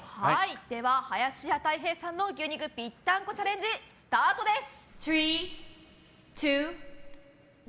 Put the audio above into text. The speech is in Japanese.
では、林家たい平さんの牛肉ぴったんこチャレンジスタートです。